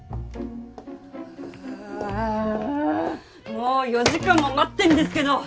もう４時間も待ってんですけど！